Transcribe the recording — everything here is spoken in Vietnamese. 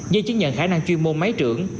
giấy chứng nhận khả năng chuyên môn máy trưởng